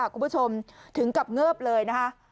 คุณผู้ชมถึงกับเงิบเลยนะคะ